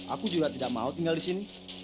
aku juga tidak mau tinggal disini